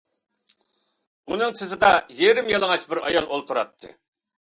ئۇنىڭ تىزىدا يېرىم يالىڭاچ بىر ئايال ئولتۇراتتى.